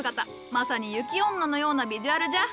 まさに雪女のようなビジュアルじゃ。